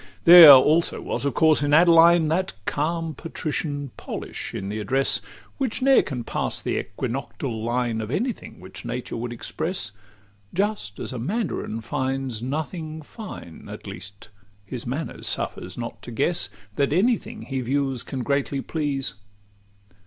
XXXIV There also was of course in Adeline That calm patrician polish in the address, Which ne'er can pass the equinoctial line Of any thing which nature would express; Just as a mandarin finds nothing fine, At least his manner suffers not to guess That any thing he views can greatly please.